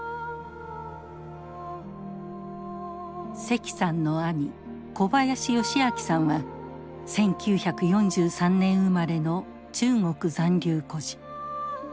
石さんの兄小林義明さんは１９４３年生まれの中国残留孤児。